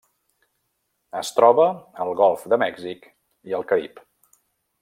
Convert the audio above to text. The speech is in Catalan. Es troba al Golf de Mèxic i el Carib.